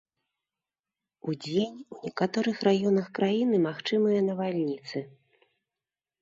Удзень у некаторых раёнах краіны магчымыя навальніцы.